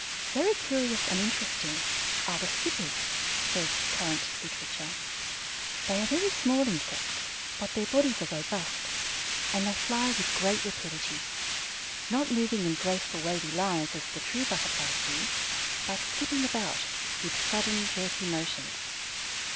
Very curious and interesting are the Skippers, says Current Literature. They are very small insects, but their bodies are robust, and they fly with great rapidity, not moving in graceful, wavy lines as the true Butterflies do, but skipping about with sudden, jerky motions.